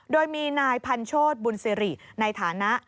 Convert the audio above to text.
โดยมีนายพันโชธบุญสิริในฐานะ